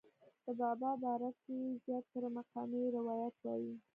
د بابا باره کښې زيات تره مقامي روايات وائي